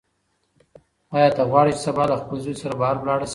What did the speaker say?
ایا ته غواړې چې سبا له خپل زوی سره بهر لاړه شې؟